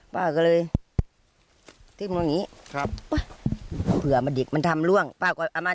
ป้าก็เลยทิ้งตรงนี้ครับป่ะเผื่อมันเด็กมันทำล่วงป้าก็เอามา